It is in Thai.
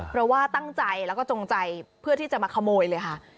เพราะว่าตั้งใจแล้วก็จงใจเพื่อที่จะมาขโมยเลยค่ะ